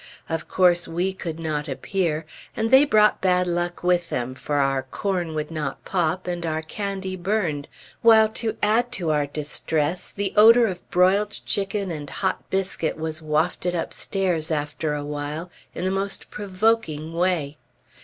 Of course, we could not appear; and they brought bad luck with them, for our corn would not pop, and our candy burned, while to add to our distress the odor of broiled chicken and hot biscuit was wafted upstairs, after a while, in the most provoking way.